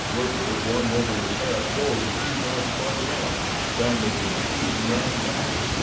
Werper, going over his head, rolled a few yards farther on, scrambled to his feet and ran back.